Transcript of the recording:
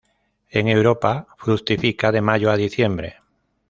En Europa, fructifica de mayo a diciembre.